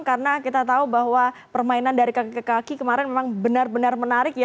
karena kita tahu bahwa permainan dari kakek kakek kemarin memang benar benar menarik